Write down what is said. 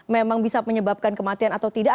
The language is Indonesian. memang bisa menyebabkan kematian atau tidak